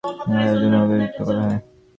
এতে আটজনকেই অভিযুক্ত করা হয়।